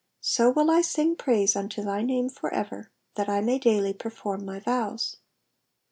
8 So will I sing praise unto thy name for ever, that I may daily perform my vows.